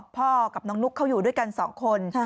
พ่อกับน้องนุ๊กเขาอยู่ด้วยกัน๒คน